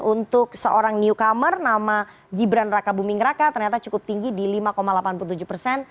untuk seorang newcomer nama gibran raka buming raka ternyata cukup tinggi di lima delapan puluh tujuh persen